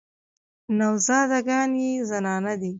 نوازنده ګان یې زنانه دي.